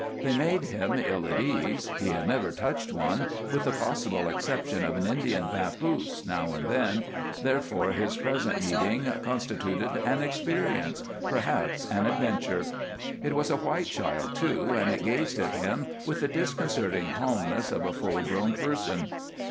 They made him ill at ease; he had never touched one, with the possible exception of an Indian papoose, now and then, therefore his present meeting constituted an experience almost an adventure. It was a white child, too, and it gazed at him with the disconcerting calmness of a full grown person.